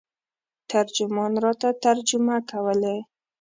ترجمان راته ترجمه کولې.